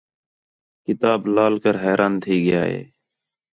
کتاب لال کر حیران تھی ڳِیا ہِے